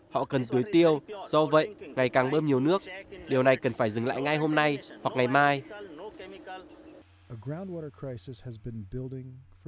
họ cần tưới tiêu do vậy ngày càng bơm nhiều nước điều này cần phải dừng lại ngay hôm nay hoặc ngày mai